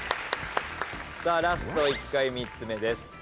さあラスト１回３つ目です。